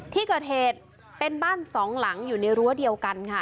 ที่เกิดเหตุเป็นบ้านสองหลังอยู่ในรั้วเดียวกันค่ะ